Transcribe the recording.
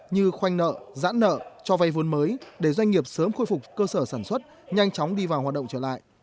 như khoanh nợ giãn nợ cho vay vốn mới để doanh nghiệp sớm khôi phục cơ sở sản xuất nhanh chóng đi vào hoạt động trở lại